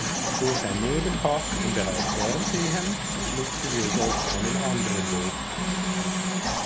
Durch ein Nebenfach im Bereich Fernsehen schlug sie jedoch einen anderen Weg ein.